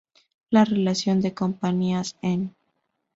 La relación de compañías en